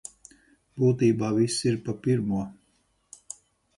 Būtībā viss ir pa pirmo.